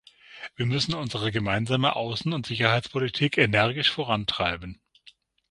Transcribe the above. Wir müssen unsere Gemeinsame Außen- und Sicherheitspolitik energisch vorantreiben.